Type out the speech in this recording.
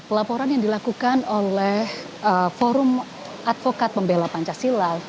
pelaporan yang dilakukan oleh forum advokat pembela pancasila